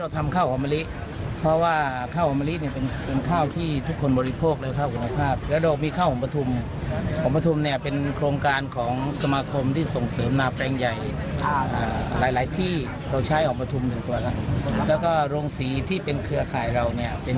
ที่เราใช้ออกมาทุมหนึ่งตัวแล้วก็โรงสีที่เป็นเครือข่ายเรา